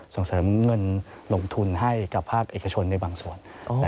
ส่งเสริมเงินลงทุนให้กับภาคเอกชนในบางส่วน